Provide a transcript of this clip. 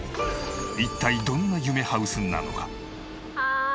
一体どんな夢ハウスなのか？